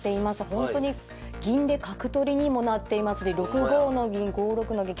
ほんとに銀で角取りにもなっていますし６五の銀５六の銀